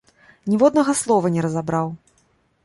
Ніводнага слова не разабраў.